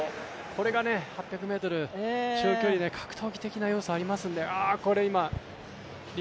これが８００ｍ、中距離は格闘技的な要素がありますから。